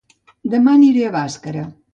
Dema aniré a Bàscara